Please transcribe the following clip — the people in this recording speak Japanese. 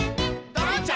「ドロンチャ！